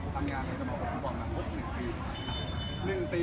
ทำงานในชะมัยต่อมาล้ำเป็นรายลนท์๑ปี